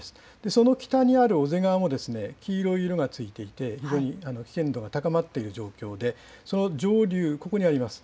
その北にある小瀬川も、黄色い色がついていて、非常に危険度が高まっている状況で、その上流、ここにあります。